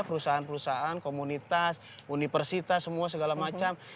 perusahaan perusahaan komunitas universitas semua segala macam